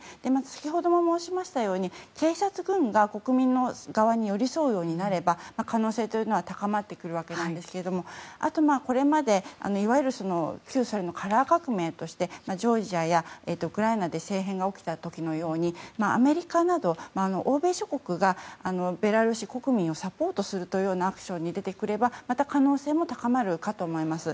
先ほども申し上げたように警察や軍が国民側に寄り添うようになれば可能性は高まってくるわけですがあと、これまでいわゆるカラー革命としてジョージアやウクライナで政変が起きたというようにアメリカなど欧米諸国がベラルーシ国民をサポートするというようなアクションに出てくればまた可能性も高まるかと思います。